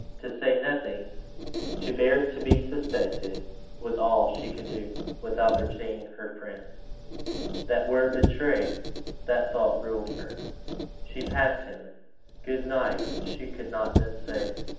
To say nothing to bear to be suspected, was all she could do, without betraying her friend. That word betray that thought ruled her. She passed him: "Good night" she could not then say.